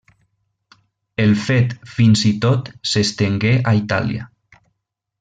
El fet fins i tot s'estengué a Itàlia.